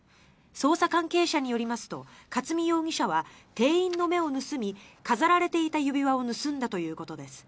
捜査関係者によりますと勝見容疑者は店員の目を盗み飾られていた指輪を盗んだということです。